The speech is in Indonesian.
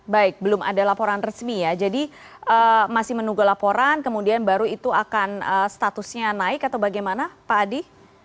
baik belum ada laporan resmi ya jadi masih menunggu laporan kemudian baru itu akan statusnya naik atau bagaimana pak adi